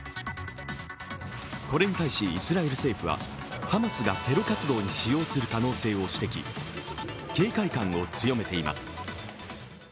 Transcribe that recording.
これに対しイスラエル政府はハマスがテロ活動に使用する可能性を指摘、警戒感を強めています。